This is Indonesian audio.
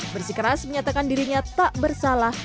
bersikeras menyatakan dirinya tak bersalah